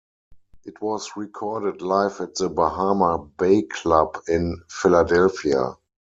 It was recorded live at the Bahama Bay club in Philadelphia.